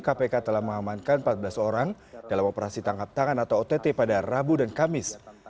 kpk telah mengamankan empat belas orang dalam operasi tangkap tangan atau ott pada rabu dan kamis